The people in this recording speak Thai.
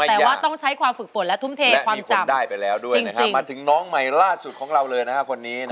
แต่ว่าต้องใช้ความฝึกฝนและทุ่มเทความจริงได้ไปแล้วด้วยมาถึงน้องใหม่ล่าสุดของเราเลยนะฮะคนนี้